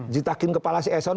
ditakin kepala si eson